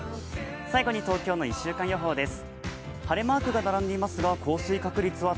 最後に東京の１週間予想です。